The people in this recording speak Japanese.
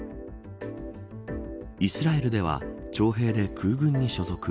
イスラエルでは徴兵で空軍に所属。